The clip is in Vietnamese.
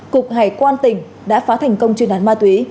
cục hải quan tỉnh đã phá thành công chuyên án ma túy